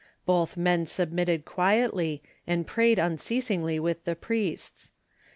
Both men submitted quitetly, and prayed unceasingly with the priests.